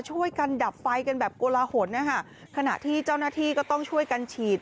ช่วยกันดับไฟกันแบบโกลาหลนะคะขณะที่เจ้าหน้าที่ก็ต้องช่วยกันฉีด